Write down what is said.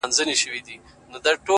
• د زمانې په افسانو کي اوسېدلی چنار,